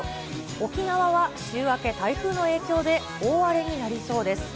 沖縄は週開け、台風の影響で、大荒れになりそうです。